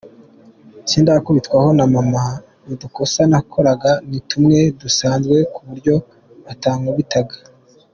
Sindakubitwaho na Mama, udukosa nakoraga ni tumwe dusanzwe ku buryo batankubitaga.